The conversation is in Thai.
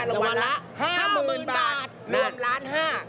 รางวัลละ๕๐๐๐๐บาทรวม๑๕๐๐๐๐๐บาท